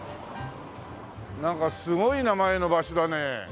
なんかすごい名前の場所だねえ。